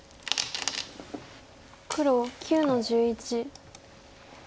黒９の十一。